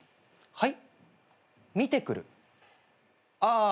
はい。